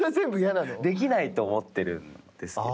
できないと思っているんですけ